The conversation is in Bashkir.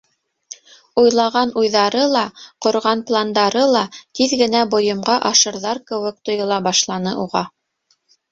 Уйлаған уйҙары ла, ҡорған пландары ла тиҙ генә бойомға ашырҙар кеүек тойола башланы уға.